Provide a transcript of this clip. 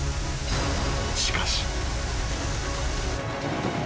しかし］